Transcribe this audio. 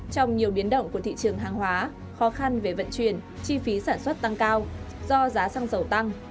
trong nhiều biến động của thị trường hàng hóa khó khăn về vận chuyển chi phí sản xuất tăng cao do giá xăng dầu tăng